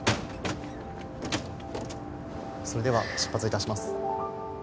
それでは出発致します。